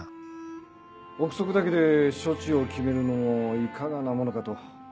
臆測だけで処置を決めるのもいかがなものかと。